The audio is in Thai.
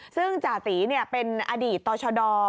ซึ่งจ่าตีเป็นอดีตต่อชด